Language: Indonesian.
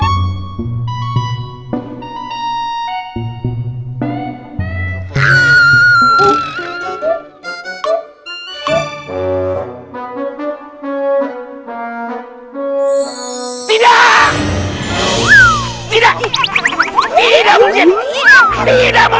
apa sih pak ade